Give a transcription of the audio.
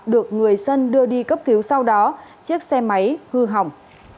được người dân đưa đi cấp cứu sau đó chiếc xe máy hư hỏng